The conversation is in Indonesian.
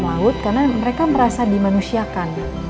mereka harus melaut karena mereka merasa dimanusiakan